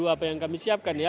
apa yang kami siapkan